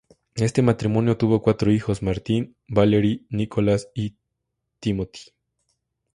Este matrimonio tuvo cuatro hijos, Martin, Valerie, Nicholas y Timothy.